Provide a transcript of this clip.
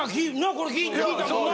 これ聞いたもんな。